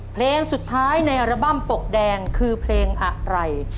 เพลงสุดท้ายในอัลบั้มปกแดงคือเพลงอะไร